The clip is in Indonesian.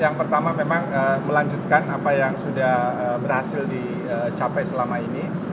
yang pertama memang melanjutkan apa yang sudah berhasil dicapai selama ini